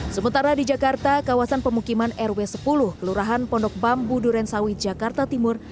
sementara di jakarta kawasan pemukiman rw sepuluh kelurahan pondok bambu durensawi jakarta timur